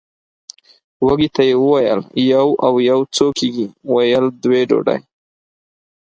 وږي ته یې وویل یو او یو څو کېږي ویل دوې ډوډۍ!